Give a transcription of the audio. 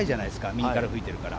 右から吹いているから。